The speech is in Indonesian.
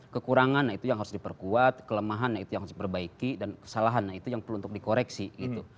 kekurangan itu yang harus diperkuat kelemahan itu yang harus diperbaiki dan kesalahan itu yang perlu untuk dikoreksi gitu